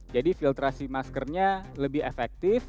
jadi filtrasi maskernya lebih efektif